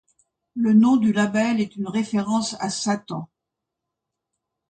Le nom du label est une référence à Satan.